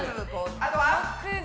あとは？